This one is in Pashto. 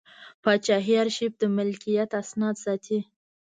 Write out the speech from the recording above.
پاچاهي ارشیف د ملکیت اسناد ساتي.